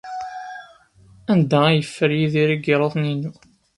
Anda ay yeffer Yidir igeṛṛuten-inu?